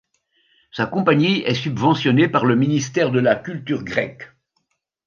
Sa compagnie est subventionnée par le Ministère de la Culture grecque.